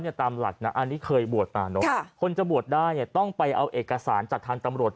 เนี่ยตามหลักนะอันนี้เคยบวชนะคนจะบวชได้ต้องไปเอาเอกสารจากทางตำรวจ